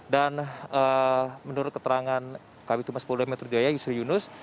dan menurut keterangan kb tumas polda metro jaya yusri yunus